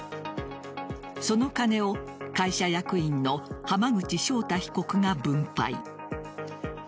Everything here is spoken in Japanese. その金を会社役員の濱口正太被告が分配。